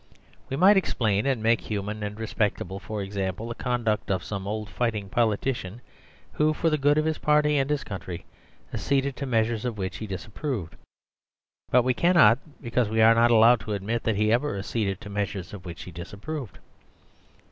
We might explain and make human and respectable, for example, the conduct of some old fighting politician, who, for the good of his party and his country, acceded to measures of which he disapproved; but we cannot, because we are not allowed to admit that he ever acceded to measures of which he disapproved.